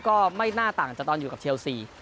ก็ไม่น่าต่างจากตอนอยู่กับเชลซี